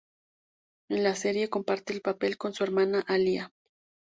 En la serie comparte el papel con su hermana Alia.